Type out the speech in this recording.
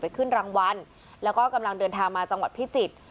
ขึ้นรางวัลแล้วก็กำลังเดินทางมาจังหวัดพิจิตร